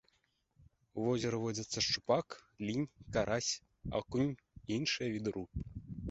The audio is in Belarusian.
У возеры водзяцца шчупак, лінь, карась, акунь і іншыя віды рыб.